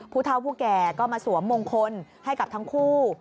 ผู้เท่าผู้แก่ก็มาสวมมงคลให้กับทั้งคู่